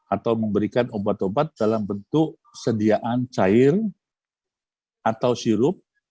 atau memberikan obat obat dalam bentuk sediaan cair atau sirup